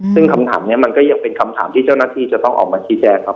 ซึ่งคำถามนี้มันก็ยังเป็นคำถามที่เจ้าหน้าที่จะต้องออกมาชี้แจงครับ